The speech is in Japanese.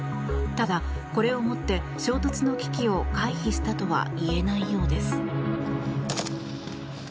ただ、これをもって衝突の危機を回避したとはいえないようです。